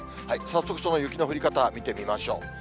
早速その雪の降り方、見てみましょう。